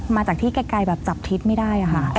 มาจากที่ไกลแบบจับทิศไม่ได้ค่ะ